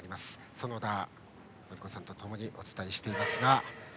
園田教子さんとともにお伝えしています。